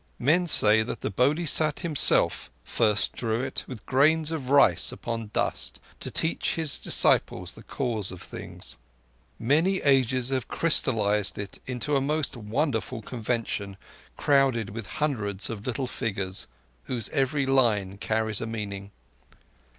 Men say that the Bodhisat Himself first drew it with grains of rice upon dust, to teach His disciples the cause of things. Many ages have crystallized it into a most wonderful convention crowded with hundreds of little figures whose every line carries a meaning.